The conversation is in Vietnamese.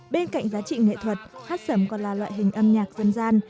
bên cạnh giá trị nghệ thuật hát sầm còn là loại hình âm nhạc dân gian